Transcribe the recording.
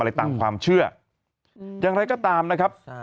อะไรตามความเชื่ออย่างไรก็ตามนะครับ